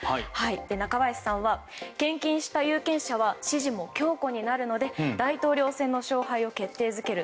中林さんは、献金した有権者は支持も強固になるので大統領選の勝敗を決定づける